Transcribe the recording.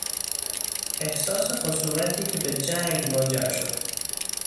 احساس خصومتی که به جنگ منجر شد